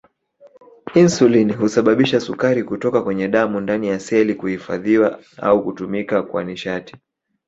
Insulini husababisha sukari kutoka kwenye damu ndani ya seli kuhifadhiwa au kutumika kwa nishati